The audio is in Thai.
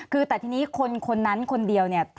คือแต่ทีนี้คนนั้นคนเดียว